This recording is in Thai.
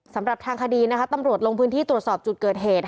สำหรับทางคดีนะคะตำรวจลงพื้นที่ตรวจสอบจุดเกิดเหตุ